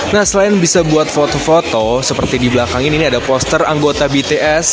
nah selain bisa buat foto foto seperti di belakang ini ada poster anggota bts